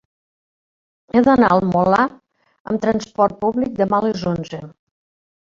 He d'anar al Molar amb trasport públic demà a les onze.